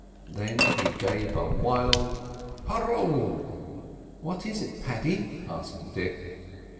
Then he gave a wild "Hurroo!" "What is it, Paddy?" asked Dick.